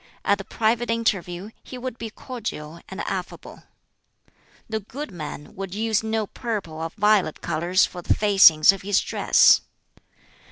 At the private interview he would be cordial and affable. The good man would use no purple or violet colors for the facings of his dress.